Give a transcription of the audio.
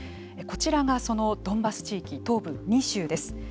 こちらがそのドンバス地域東部２州です。